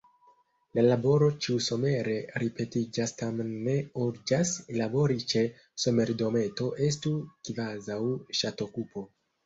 La laboro ĉiusomere ripetiĝas, tamen ne urĝas: labori ĉe somerdometo estu kvazaŭ ŝatokupo.